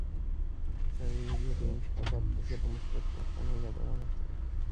ازادي راډیو د د انتخاباتو بهیر د مثبتو اړخونو یادونه کړې.